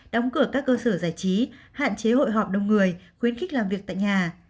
đóng cửa các cơ sở giải trí hạn chế hội họp đông người khuyến khích làm việc tại nhà